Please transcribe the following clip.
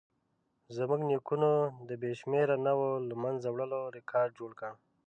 زموږ نیکونو د بې شمېره نوعو له منځه وړلو ریکارډ جوړ کړ.